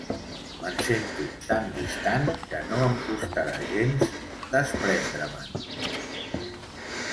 Me'n sento tan distant que no em costarà gens desprendre-me'n.